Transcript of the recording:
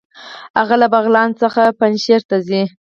هغه له بغلان څخه پنجهیر ته ځي.